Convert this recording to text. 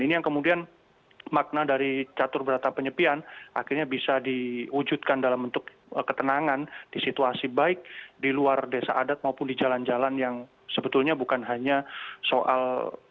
ini yang kemudian makna dari catur berata penyepian akhirnya bisa diwujudkan dalam bentuk ketenangan di situasi baik di luar desa adat maupun di jalan jalan yang sebetulnya bukan hanya soal